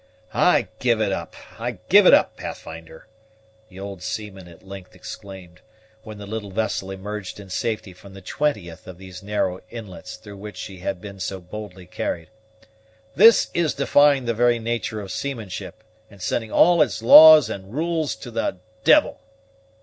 "I give it up, I give it up, Pathfinder!" the old seaman at length exclaimed, when the little vessel emerged in safety from the twentieth of these narrow inlets through which she had been so boldly carried; "this is defying the very nature of seamanship, and sending all its laws and rules to the d l!"